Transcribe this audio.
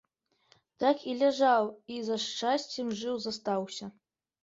Так і ляжаў і за шчасцем жыў застаўся.